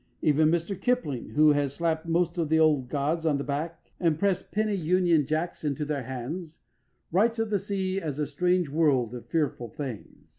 Even Mr Kipling, who has slapped most of the old gods on the back and pressed penny Union Jacks into their hands, writes of the sea as a strange world of fearful things.